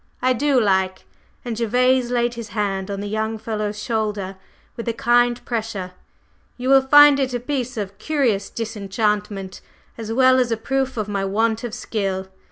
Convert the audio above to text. "I do like!" and Gervase laid his hand on the young fellow's shoulder with a kind pressure. "You will find it a piece of curious disenchantment, as well as a proof of my want of skill.